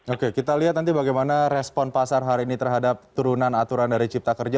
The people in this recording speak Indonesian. oke kita lihat nanti bagaimana respon pasar hari ini terhadap turunan aturan dari cipta kerja